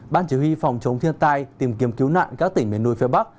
ban chỉ huy phòng chống thiên tai tìm kiếm cứu nạn các tỉnh miền núi phía bắc